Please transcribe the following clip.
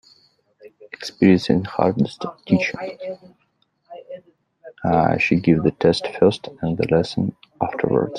Experience is the hardest teacher. She gives the test first and the lesson afterwards.